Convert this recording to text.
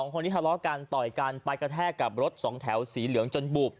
คนที่ทะเลาะกันต่อยกันไปกระแทกกับรถสองแถวสีเหลืองจนบุบ